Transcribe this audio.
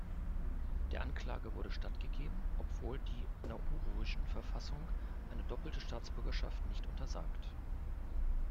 Der Anklage wurde stattgegeben, obwohl die nauruischen Verfassung eine doppelte Staatsbürgerschaft nicht untersagt.